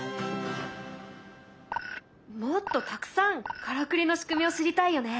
もっとたくさんからくりの仕組みを知りたいよね。